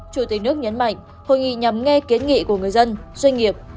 chủ tịch nước nhấn mạnh hội nghị nhằm nghe kiến nghị của người dân doanh nghiệp